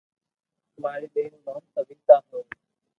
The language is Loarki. ماري ٻئير رو نوم سويتا ھو